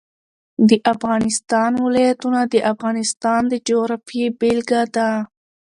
د افغانستان ولايتونه د افغانستان د جغرافیې بېلګه ده.